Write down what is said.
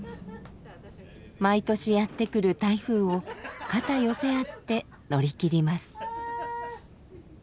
毎年やって来る台風を肩寄せ合って乗り切ります。